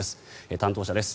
担当者です。